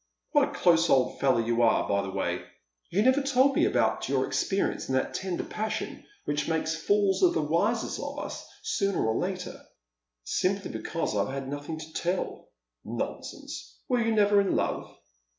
" What a close old fellow you are, by the way ! you never told me anything about your experience in that tender passion which piakes fools of the wisest of us sooner or later." " Simply because I have had nothing to tell." " Nonsense ! Were you never in love